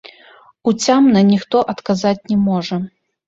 Уцямна ніхто адказаць не можа.